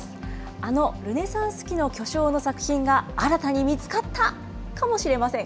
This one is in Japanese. あのルネサンス期の巨匠の作品が、新たに見つかったかもしれません。